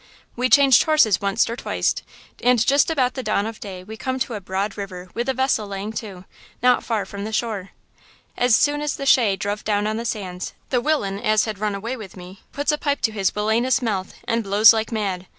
We changed horses wunst or twict, and just about the dawn of day we come to a broad river with a vessel laying to, not far from the shore. "As soon as the shay druv down on the sands, the willain as had run away with me puts a pipe to his willainous mouth and blows like mad.